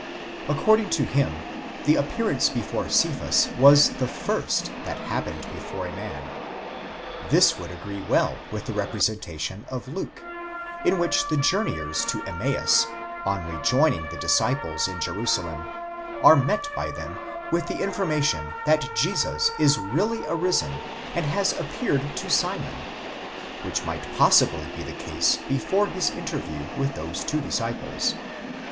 according to him the appear ance before Cephas was the first that happened before a man. This would agree well with the representation of Luke, in which the journeyers to Em maus, on rejoining the disciples in Jerusalem, are met by them with the information that Jesus is really arisen and has appeared to Simon, which might possibly be the case before his interview with those two disciples.